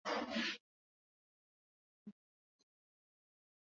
redio inatakiwa kuonesha maeleza ya muziki unaopigwa